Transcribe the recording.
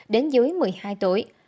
đến dưới một mươi hai tuổi